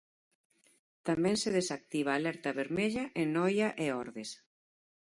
Tamén se desactiva a alerta vermella en Noia e Ordes.